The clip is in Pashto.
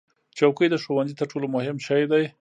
چوکۍ د ښوونځي تر ټولو مهم شی دی.